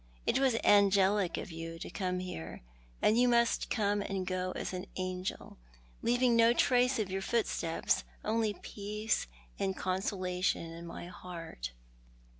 It was angelic of you to come here ; and you must come and go as an angel, leaving no trace of your footsteps, only peace and consolation in my heart."